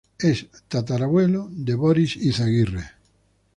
Es tatarabuelo de Boris Izaguirre.